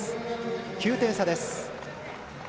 ９点差です。